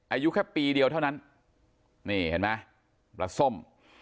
อายุแค่ปีเดียวเท่านั้นนี่เห็นไหมปลาส้ม